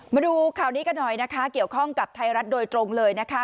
มาดูข่าวนี้กันหน่อยนะคะเกี่ยวข้องกับไทยรัฐโดยตรงเลยนะคะ